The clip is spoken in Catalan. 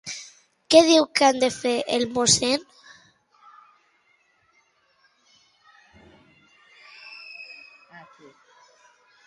Què diu que han de fer, el Mossen?